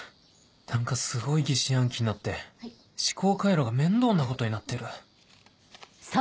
何かすごい疑心暗鬼になって思考回路が面倒なことになってる